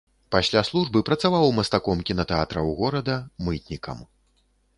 Пасля службы працаваў мастаком кінатэатраў горада, мытнікам.